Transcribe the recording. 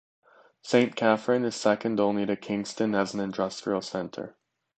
Saint Catherine is second only to Kingston as an industrial center.